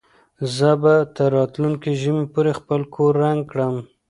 زه به تر راتلونکي ژمي پورې خپل کور رنګ کړم.